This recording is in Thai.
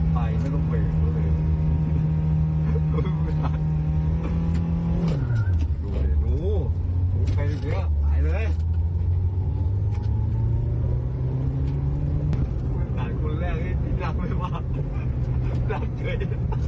ผู้หญิงท่านคนแรกที่ดังไม่ว่าดังเตย